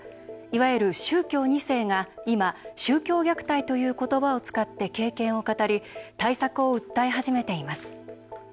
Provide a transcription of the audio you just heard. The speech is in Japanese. いわゆる宗教２世が今、宗教虐待という言葉を使って経験を語り対策を訴え始めています。